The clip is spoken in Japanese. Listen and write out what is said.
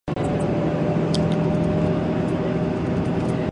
自分に優しく人にはもっと優しく